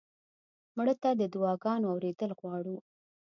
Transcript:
مړه ته د دعا ګانو اورېدل غواړو